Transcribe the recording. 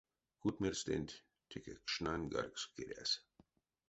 Кутьмерьстэнть теке кшнань каркс керясь.